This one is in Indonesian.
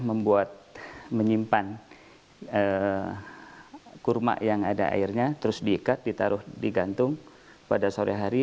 membuat menyimpan kurma yang ada airnya terus diikat ditaruh digantung pada sore hari